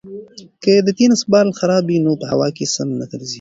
که د تېنس بال خراب وي نو په هوا کې سم نه ګرځي.